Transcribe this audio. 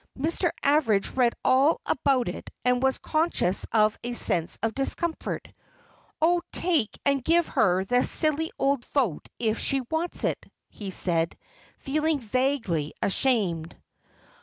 Mr. Average read all about it and was conscious of a sense of discomfort. "Oh, take and give her the silly old vote if she wants it," he said, feeling vaguely ashamed.